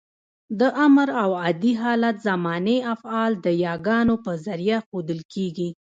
د امر او عادي حالت زماني افعال د يګانو په ذریعه ښوول کېږي.